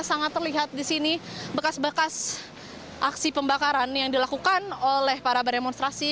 sangat terlihat di sini bekas bekas aksi pembakaran yang dilakukan oleh para berdemonstrasi